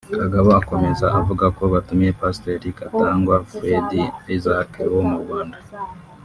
Kagabo akomeza avuga ko batumiye Pasiteri Katangwa Fred Isaac wo mu Rwanda